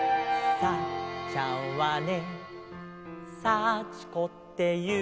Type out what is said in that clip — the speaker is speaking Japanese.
「サッちゃんはね」